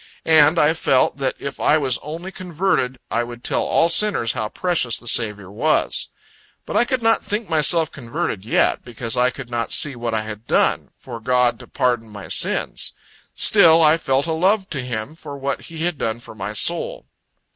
And I felt, that if I was only converted, I would tell all sinners how precious the Saviour was. But I could not think myself converted yet, because I could not see what I had done, for God to pardon my sins. Still I felt a love to Him for what He had done for my soul.